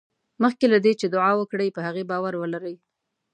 مخکې له دې چې دعا وکړې په هغې باور ولرئ.